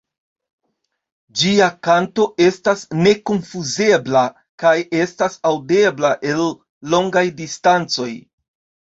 Ĝia kanto estas nekonfuzebla kaj estas aŭdebla el longaj distancoj.